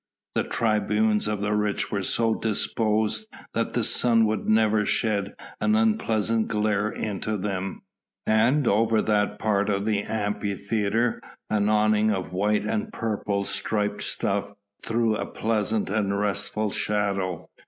The tribunes of the rich were so disposed that the sun would never shed an unpleasant glare into them, and over that part of the Amphitheatre an awning of white and purple striped stuff threw a pleasing and restful shadow.